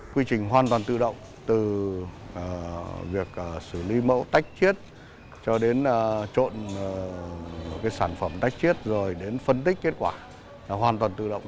quy trình hoàn toàn tự động từ việc xử lý mẫu tách chiết cho đến trộn sản phẩm tách chiết rồi đến phân tích kết quả là hoàn toàn tự động